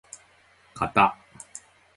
かた